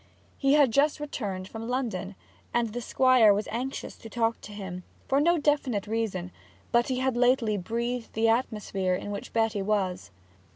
He had just returned from London, and the Squire was anxious to talk to him for no definite reason; but he had lately breathed the atmosphere in which Betty was.